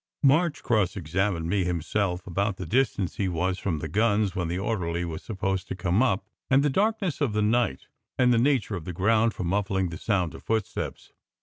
"March cross examined me himself, about the distance he was from the guns when the orderly was supposed to come up; and the darkness of the night; and the nature of the ground for muffling the sound of footsteps.